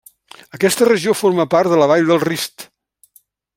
Aquesta regió forma part de la vall del Rift.